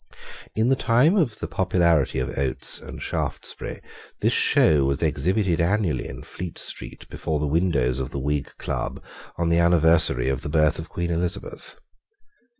In the time of the popularity of Oates and Shaftesbury this show was exhibited annually in Fleet Street before the windows of the Whig Club on the anniversary of the birth of Queen Elizabeth.